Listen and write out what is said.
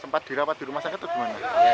sempat dirapat di rumah sakit atau di mana